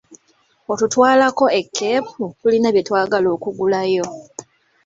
Otutwalako e Keepu tulina byetwagala okugulayo?